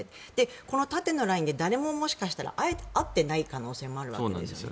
この縦のラインで誰も、もしかしたら会っていない可能性もあるわけですよね。